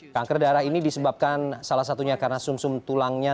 kanker darah ini disebabkan salah satunya karena sum sum tulangnya